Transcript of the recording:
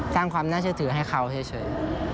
สร้างความน่าเชื่อถือให้เขาเฉย